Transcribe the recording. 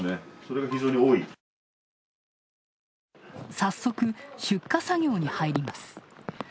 早速、出荷作業に入ります。